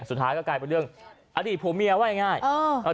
สตร์ท้ายก็กลายเป็นเรื่องอดีตผู้มียว่าอย่างไร